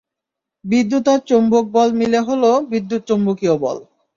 বিদ্যুৎ আর চৌম্বক বল মিলে হলো বিদ্যুৎ–চুম্বকীয় বল।